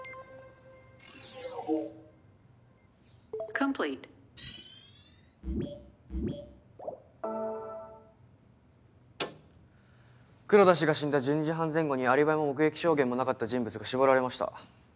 Ｃｏｍｐｌｅｔｅ．黒田が死んだ１２時半前後にアリバイも目撃証言もなかった人物が絞られました。